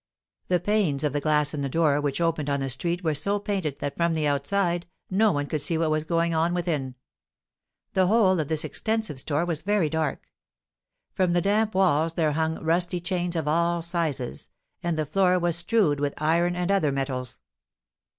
The panes of glass in the door which opened on to the street were so painted that from the outside no one could see what was going on within. The whole of this extensive store was very dark. From the damp walls there hung rusty chains of all sizes; and the floor was strewed with iron and other metals.